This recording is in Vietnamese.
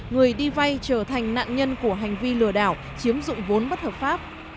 người đi vay trở thành nạn nhân của hành vi lừa đảo chiếm dụng vốn bất hợp pháp